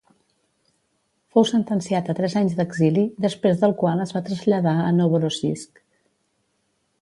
Fou sentenciat a tres anys d'exili, després del qual es va traslladar a Novorossisk.